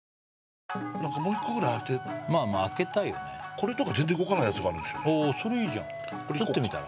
これとか全然動かないやつがあるああそれいいじゃんとってみたら？